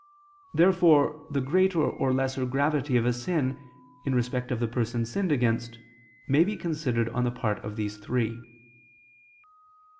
Therefore the greater or lesser gravity of a sin, in respect of the person sinned against, may be considered on the part of these three.